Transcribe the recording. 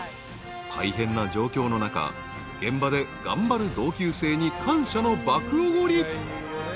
［大変な状況の中現場で頑張る同級生に感謝の爆おごり］